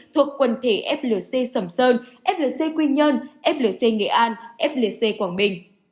thuộc quần thể flc sầm sơn flc quy nhơn flc nghệ an flc quảng bình